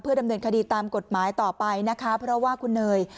ดำเนินคดีตามกฎหมายต่อไปนะคะเพราะว่าคุณเนย